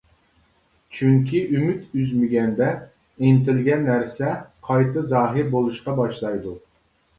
چۈنكى ئۈمىد ئۈزمىگەندە ئىنتىلگەن نەرسە قايتا زاھىر بولۇشقا باشلايدۇ.